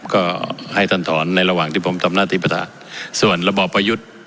ก็ให้ท่านถอนในระหว่างที่ผมทำหน้าที่ประธานส่วนระบอบประยุทธ์